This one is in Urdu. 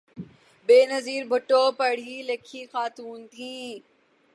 بینظیر بھٹو پڑھی لکھی خاتون تھیں۔